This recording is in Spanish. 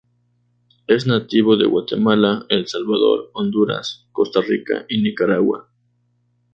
Es nativo de Guatemala, El Salvador, Honduras, Costa Rica y Nicaragua.